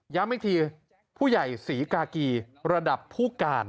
อีกทีผู้ใหญ่ศรีกากีระดับผู้การ